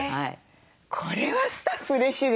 これはスタッフうれしいですね。